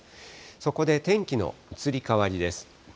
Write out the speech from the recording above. そこで天気の移り変わりです。